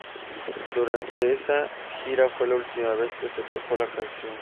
Durante esa gira fue la última vez que se tocó la canción.